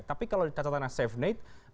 tapi kalau di kacau kacauan safenate